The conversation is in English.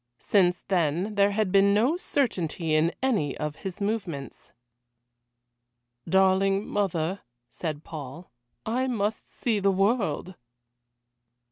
Since then there had been no certainty in any of his movements. "Darling mother," said Paul, "I must see the world."